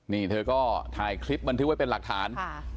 นี่เธอก็ถ่ายคลิปบันทึกไว้เป็นหลักฐาน